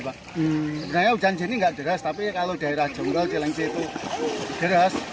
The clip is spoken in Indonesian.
sebenarnya hujan sini nggak deras tapi kalau daerah jongrol cilengsi itu deras